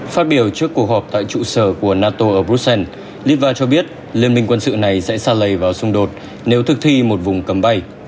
phát biểu trước cuộc họp tại trụ sở của nato ở brussels livar cho biết liên minh quân sự này sẽ xa lầy vào xung đột nếu thực thi một vùng cầm bay